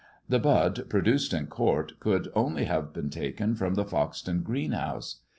The bud produced in court could only have been taken from the Foxton greenhouse.